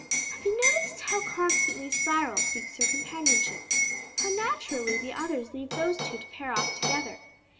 "Have you noticed how constantly Cyril seeks her companionship? how naturally the others leave those two to pair off together?